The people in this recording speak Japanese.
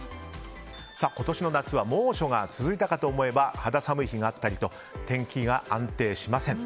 今年の夏は猛暑が続いたかと思えば肌寒い日があったりと天気が安定しません。